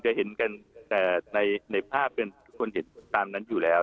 จะเห็นกันแต่ในภาพเป็นคนเห็นตามนั้นอยู่แล้ว